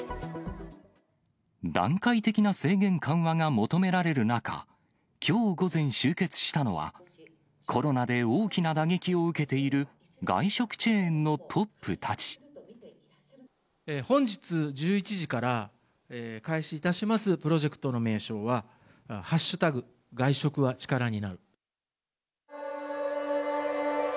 段階的な制限緩和が求められる中、きょう午前、集結したのは、コロナで大きな打撃を受けている、本日１１時から、開始いたしますプロジェクトの名称は、＃外食はチカラになる。